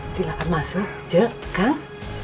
silahkan masuk je kang